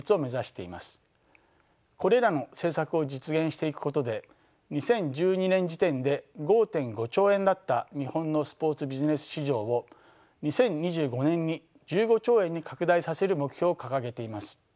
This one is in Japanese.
これらの政策を実現していくことで２０１２年時点で５．５兆円だった日本のスポーツビジネス市場を２０２５年に１５兆円に拡大させる目標を掲げています。